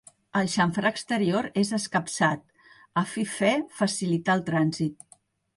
El xamfrà exterior és escapçat, a fi fe facilitar el transit.